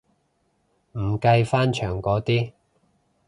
唔計翻牆嗰啲